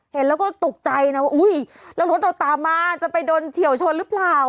เห็นแล้วก็ตกใจนะว่าอุ้ยแล้วรถเราตามมาจะไปโดนเฉียวชนหรือเปล่า